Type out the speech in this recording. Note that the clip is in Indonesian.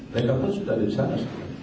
dan kampung sudah ada di sana